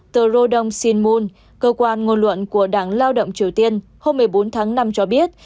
tờ rodong shinmun cơ quan ngôn luận của đảng lao động triều tiên hôm một mươi bốn tháng năm cho biết